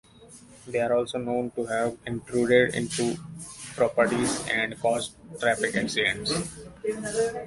They are also known to have intruded into properties and caused traffic accidents.